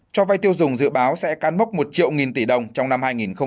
cho vay tiêu dùng dự báo sẽ can mốc một triệu nghìn tỷ đồng trong năm hai nghìn hai mươi